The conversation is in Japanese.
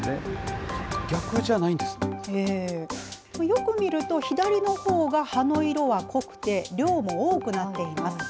よく見ると、左のほうが葉の色は濃くて、量も多くなっています。